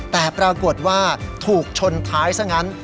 แต่ปรากฏว่าถูกชนท้ายซะงั้น